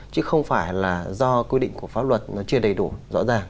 chứ không phải là do quy định của pháp luật nó chưa đầy đủ rõ ràng